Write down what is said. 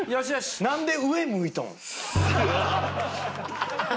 なんで上向いとん？